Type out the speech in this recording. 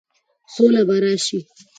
سوله به راشي،